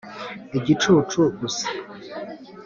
igicucu gusa.